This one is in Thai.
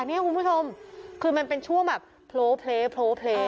เนี่ยคุณผู้ชมคือมันเป็นช่วงแบบโพล่เพล